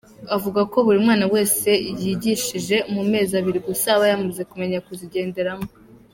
Avuga ko buri mwana wese yigishije mu mezi abiri gusa aba yamaze kumenya kuzigenderamo.